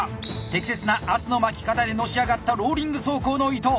適切な圧の巻き方でのし上がったローリング走行の伊藤。